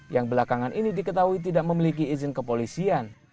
yang belakangan ini diketahui tidak memiliki izin kepolisian